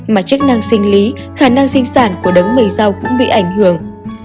mà chức năng sinh lý khả năng sinh sản của đấng mây rau cũng bị ảnh hưởng